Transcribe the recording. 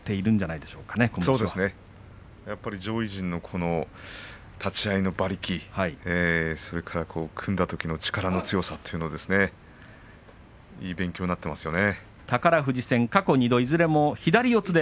そうですね上位陣の立ち合いの馬力それから、組んだときの力の強さというのはいい勉強になっていますよね。